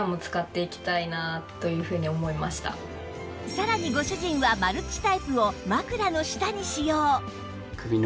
さらにご主人はマルチタイプを枕の下に使用